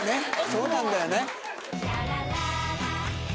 そうなんだよね。